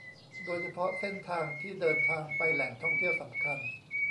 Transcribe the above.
โดยเฉพาะเส้นทางที่เดินทางไปแหล่งท่องเที่ยวสำคัญ